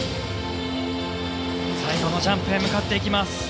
最後のジャンプへ向かっていきます。